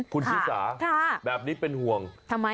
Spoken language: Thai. คุณชิสาแบบนี้เป็นห่วงทำไม